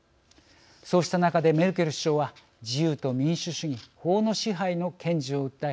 そうした中でメルケル首相は自由と民主主義法の支配の堅持を訴え